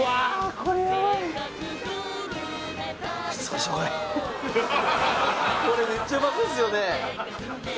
これめっちゃうまそうですよね